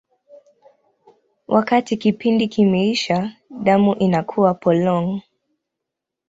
Wakati kipindi kimeisha, damu inakuwa polong.